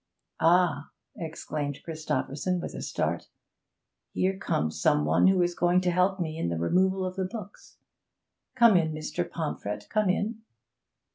'Ah!' exclaimed Christopherson with a start, 'here comes some one who is going to help me in the removal of the books. Come in, Mr. Pomfret, come in!'